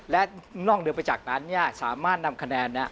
และนอกเหนือไปจากนั้นสามารถนำคะแนน